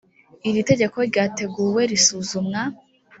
iri tegeko ryateguwe risuzumwa